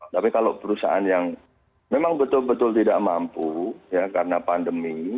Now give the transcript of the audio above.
tapi kalau perusahaan yang memang betul betul tidak mampu ya karena pandemi